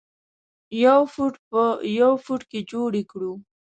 یو فټ په یو فټ کې جوړې کړو.